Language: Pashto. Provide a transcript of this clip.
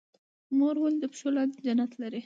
مور ولې د پښو لاندې جنت لري؟